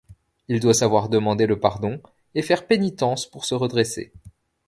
Il doit savoir demander le pardon, et faire pénitence pour se redresser.